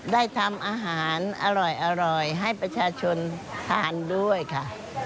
ได้ทำอาหารอร่อยให้ประชาชนทานด้วยค่ะ